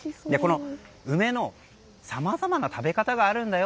梅のさまざまな食べ方があるんだよ